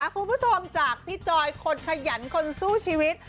คุณผู้ชมจากพี่จอยคนขยันคนสู้ชีวิต